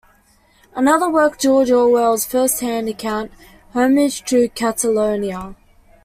Another work George Orwell's first-hand account, "Homage to Catalonia".